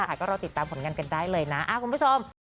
ค่ะก็รอติดตามกันได้เลยนะคุณผู้ชม